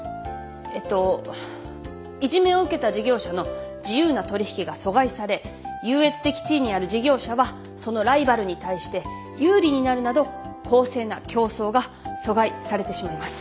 えっといじめを受けた事業者の自由な取引が阻害され優越的地位にある事業者はそのライバルに対して有利になるなど公正な競争が阻害されてしまいます。